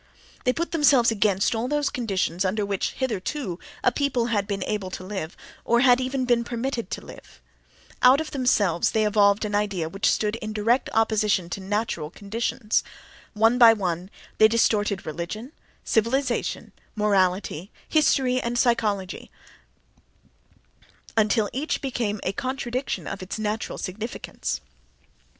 They put themselves against all those conditions under which, hitherto, a people had been able to live, or had even been permitted to live; out of themselves they evolved an idea which stood in direct opposition to natural conditions—one by one they distorted religion, civilization, morality, history and psychology until each became a contradiction of its natural significance.